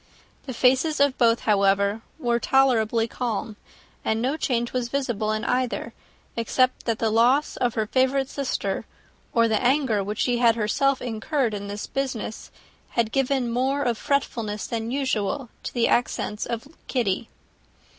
The faces of both, however, were tolerably calm; and no change was visible in either, except that the loss of her favourite sister, or the anger which she had herself incurred in the business, had given something more of fretfulness than usual to the accents of Kitty.